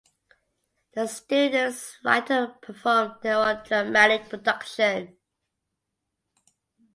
The students write and perform their own dramatic productions.